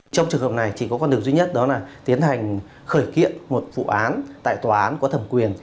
trong trường hợp này chỉ có con đường duy nhất đó là tiến hành khởi kiện một vụ án tại tòa án có thẩm quyền